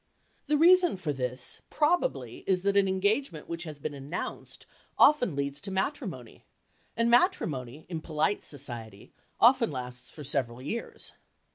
The reason for this probably is that an engagement which has been "announced" often leads to matrimony, and matrimony, in polite society, often lasts for several years.